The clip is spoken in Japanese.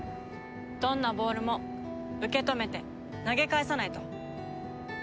どんなボールも受け止めて投げ返さないと。